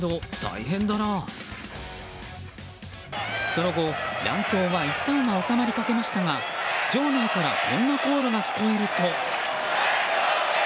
その後、乱闘はいったんは収まりかけましたが場内からこんなコールが聞こえると。